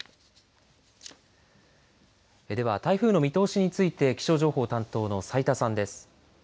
では、台風の見通しについて気象情報担当の斉田さんです。